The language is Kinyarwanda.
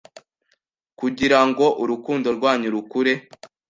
Kugira ngo urukundo rwanyu rukure